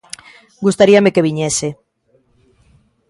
Gustaríame que viñese.